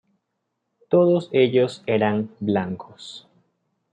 Todos ellos eran blancos.